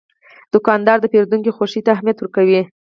دوکاندار د پیرودونکي خوښي ته اهمیت ورکوي.